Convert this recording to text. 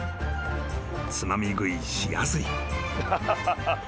つまみ食いしやすい］